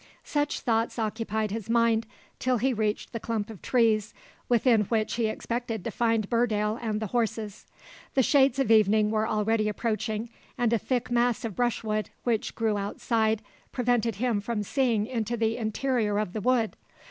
Such thoughts occupied his mind till he reached the clump of trees within which he expected to find Burdale and the horses. The shades of evening were already approaching, and a thick mass of brushwood, which grew outside, prevented him from seeing into the interior of the wood.